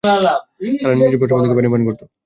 তারা নিজ নিজ প্রস্রবণ থেকে পানি পান করতো।